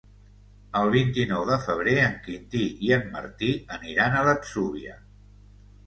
El vint-i-nou de febrer en Quintí i en Martí aniran a l'Atzúbia.